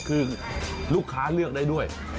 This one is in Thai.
คือลูกค้าเลือกได้ด้วย